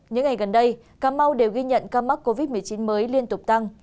những ngày gần đây cà mau đều ghi nhận ca mắc covid một mươi chín mới liên tục tăng